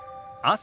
「朝」。